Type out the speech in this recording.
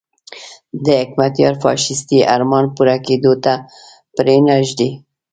د حکمتیار فاشیستي ارمان پوره کېدو ته پرې نه ږدي.